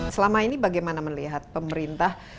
selama ini bagaimana melihat pemerintah